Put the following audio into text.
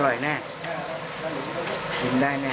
อร่อยแน่กินได้แน่